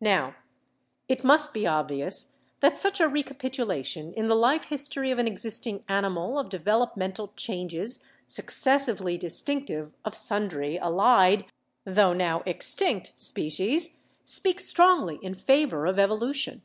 "Now, it must be obvious that such a recapitulation in the life history of an existing animal of developmental changes successively distinctive of sundry allied, tho now extinct species, speaks strongly in favor of evolution.